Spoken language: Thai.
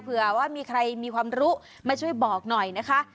เผื่อว่ามีใครมีความรู้มาช่วยบอกหน่อยนะคะ